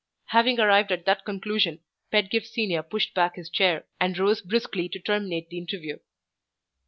Having arrived at that conclusion, Pedgift Senior pushed back his chair, and rose briskly to terminate the interview.